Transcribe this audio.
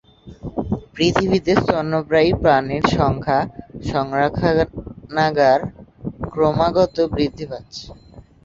পৃথিবীতে স্তন্যপায়ী প্রাণীর সংখ্যা সংরক্ষণাগার ক্রমাগত বৃদ্ধি পাচ্ছে।